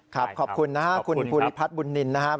ขอบคุณนะครับคุณภูริพัฒน์บุญนินนะครับ